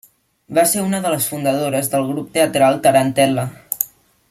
Va ser una de les fundadores del grup teatral Tarantel·la.